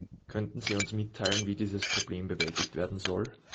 Könnten Sie uns mitteilen, wie dieses Problem bewältigt werden soll?